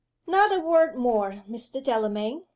"Not a word more, Mr. Delamayn!"